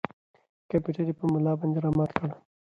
کمپیوټر یې په ملا باندې را مات کړ.